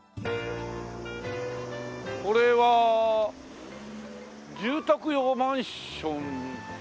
これは住宅用マンションかだね。